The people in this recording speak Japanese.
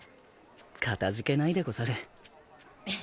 かたじけないでござる。